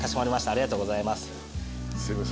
ありがとうございます。